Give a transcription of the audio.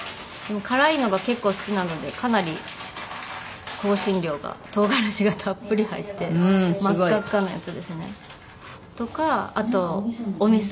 辛いのが結構好きなのでかなり香辛料が唐辛子がたっぷり入って真っ赤っかなやつですね。とかあとお味噌。